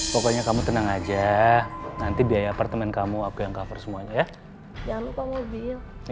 pokoknya kamu tenang aja nanti biaya apartemen kamu aku yang cover semuanya ya